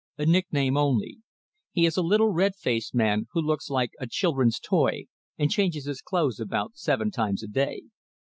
"A nickname only. He is a little red faced man who looks like a children's toy and changes his clothes about seven times a day.